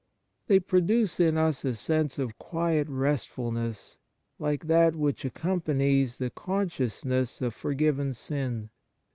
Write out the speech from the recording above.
They produce in us a sense of quiet restfulness like that which accompanies the consciousness of forgiven sin.